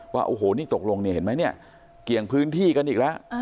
ว่าโอ้โหนี่ตกลงเนี่ยเห็นไหมเนี่ยเกี่ยงพื้นที่กันอีกแล้ว